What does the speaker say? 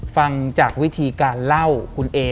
ฟังจากวิธีการเล่าคุณเอ